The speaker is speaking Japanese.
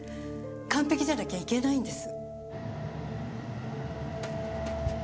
完璧じゃなきゃいけないんです。